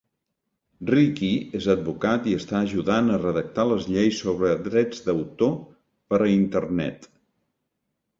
Ricky és advocat i està ajudant a redactar les lleis sobre drets d'autor per a internet.